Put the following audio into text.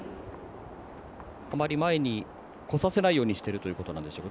あまり前に来させないようにしているということなんでしょうか。